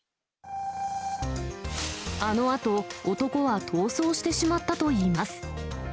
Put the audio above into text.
あのあと、男は逃走してしまったといいます。